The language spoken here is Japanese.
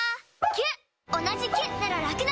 キュッ！